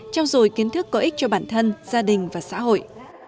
trao dồi kiến thức có ích cho bản thân gia đình và xã hội